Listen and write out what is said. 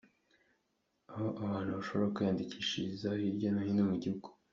Aho abantu bashobora kwiyandikishiriza hirya no hino mu gihugu.